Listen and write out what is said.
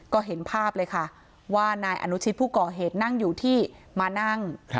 ก็เห็นภาพเลยค่ะว่านายอนุชิตผู้ก่อเหตุนั่งอยู่ที่มานั่ง